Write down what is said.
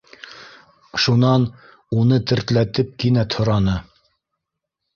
Шунан, уны тертләтеп, кинәт һораны: